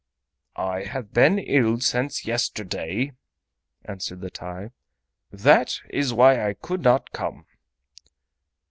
"I have been ill since yesterday," answered the TAI; "that is why I could not come."